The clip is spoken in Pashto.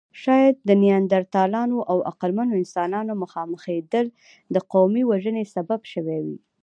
شاید د نیاندرتالانو او عقلمنو انسانانو مخامخېدل د قومي وژنې سبب شوې وي.